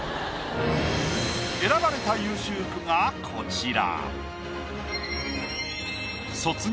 選ばれた優秀句がこちら。